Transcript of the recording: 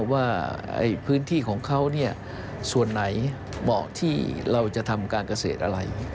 ว่าพื้นที่ของเขาส่วนไหนเหมาะที่เราจะทำการเกษตรอะไร